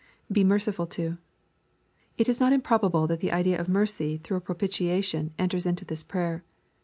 [Be merciful to.] It is not improbable that the idea of mercy through a propitiation, enters into this prayer.